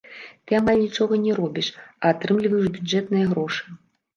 Ты амаль нічога не робіш, а атрымліваеш бюджэтныя грошы.